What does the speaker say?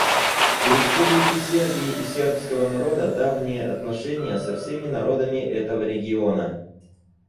У Республики Сербии и сербского народа давние отношения со всеми народами этого региона.